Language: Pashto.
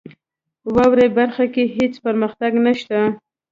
واورئ برخه کې هیڅ پرمختګ نشته .